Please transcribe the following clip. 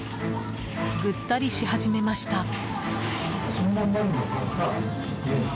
ぐったりし始めました。